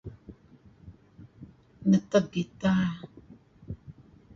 Neteg gita.